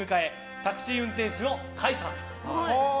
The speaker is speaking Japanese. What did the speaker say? タクシー運転手の甲斐さん。